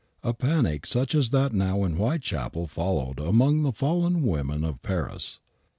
A panic such as that now in Whitechapel followed among the fallen women of Paris.